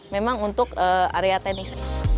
memang untuk area tenis